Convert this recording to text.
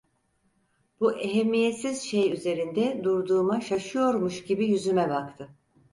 Bu ehemmiyetsiz şey üzerinde durduğuma şaşıyormuş gibi yüzüme baktı.